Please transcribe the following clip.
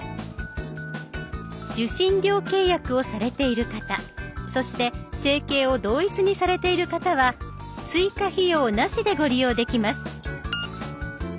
受信料契約をされている方そして生計を同一にされている方は追加費用なしでご利用できます。